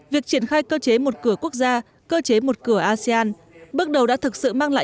việc triển khai cơ chế một cửa quốc gia cơ chế một cửa asean bước đầu đã thực sự mang lại